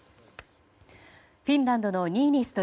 フィンランドのニーニスト